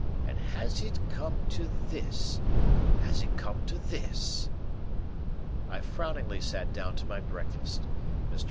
And has it come to this! Has it come to this!" I frowningly sat down to my breakfast. Mr.